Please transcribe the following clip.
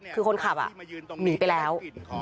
คือคนขับหนีไปแล้ว